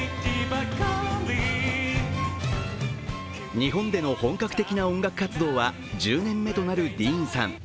日本での本格的音楽活動は１０年目となるＤＥＡＮさん。